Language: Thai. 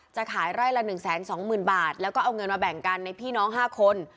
จะขายไร่ละหนึ่งแสนสองหมื่นบาทแล้วก็เอาเงินมาแบ่งกันในพี่น้องห้าคน